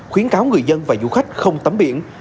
khuyến cáo người dân và du khách không tắm biển